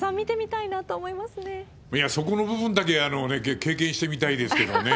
いや、そこの部分だけ経験してみたいですけどね。